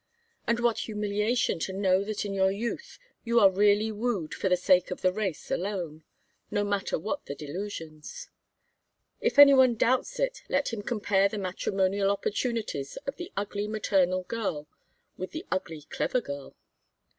And what humiliation to know that in your youth you are really wooed for the sake of the race alone, no matter what the delusions. If any one doubts it let him compare the matrimonial opportunities of the ugly maternal girl and the ugly clever girl.